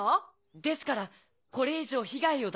ですからこれ以上被害を。